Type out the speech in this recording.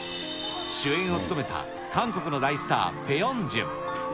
主演を務めた韓国の大スター、ペ・ヨンジュン。